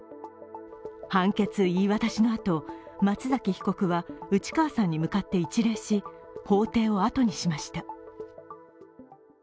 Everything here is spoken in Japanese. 判決言い渡しのあと、松崎被告は内川さんに向かって一礼し法廷をあとにしました。